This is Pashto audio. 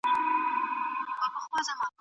بنسټونه باید خپل ځواک په سمه توګه وکاروي.